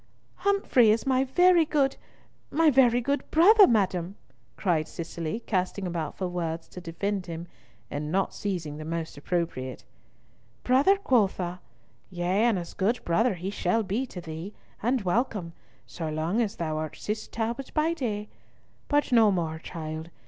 "Humfrey is my very good—my very good brother, madam," cried Cicely, casting about for words to defend him, and not seizing the most appropriate. "Brother, quotha? Yea, and as good brother he shall be to thee, and welcome, so long as thou art Cis Talbot by day—but no more, child.